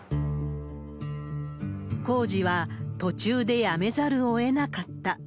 工事は途中でやめざるをえなかった。